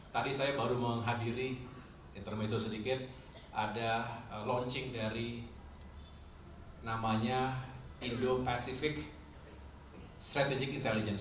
tadi saya baru menghadiri intermetur sedikit ada launching dari namanya indo pacific strategic intelligence